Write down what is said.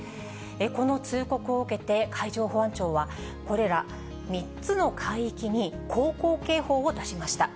この通告を受けて、海上保安庁は、これら３つの海域に航行警報を出しました。